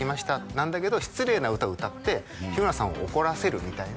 なんだけど失礼な歌歌って日村さんを怒らせるみたいな